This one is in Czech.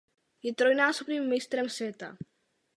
Je trojnásobným mistrem světa.